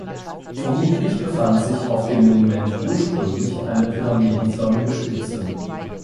Vermutlich befand sich auf dem Monument ursprünglich eine pyramidenförmige Spitze.